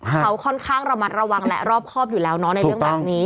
เขาค่อนข้างระมัดระวังแหละรอบครอบอยู่แล้วเนาะในเรื่องแบบนี้